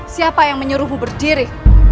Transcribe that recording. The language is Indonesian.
siapa yang menyuruhmu berdiri